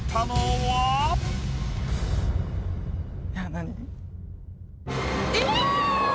何？